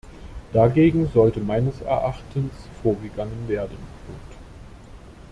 Dagegen sollte meines Erachtens vorgegangen werden.